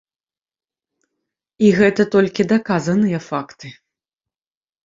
І гэта толькі даказаныя факты.